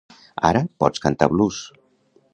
Ara, pots cantar blues.